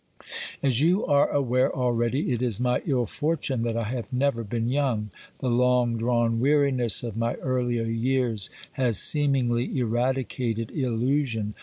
As you are aware already, it is my ill fortune that I have never been young : the long drawn weariness of my earlier years has seemingly eradicated illusion.